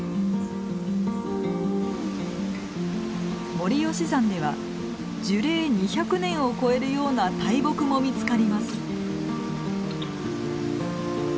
森吉山では樹齢２００年を超えるような大木も見つかります。